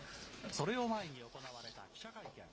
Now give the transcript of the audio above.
それを前に行われた記者会見。